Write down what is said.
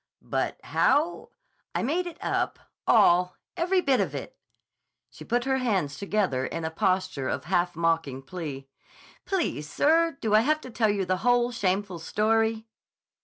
"But, how—" "I made it up. All. Every bit of it." She put her hands together in a posture of half mocking plea. "Please, sir, do I have to tell you the whole shameful story?"